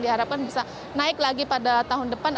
diharapkan bisa naik lagi pada tahun depan